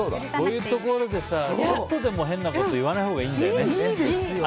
こういうところでちょっとでも変なこと言わないほうがいいんだよね。